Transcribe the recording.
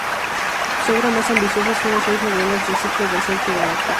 Su obra más ambiciosa son las seis novelas del Ciclo del Centro Galáctico.